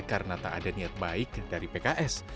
karena tak ada niat baik dari pks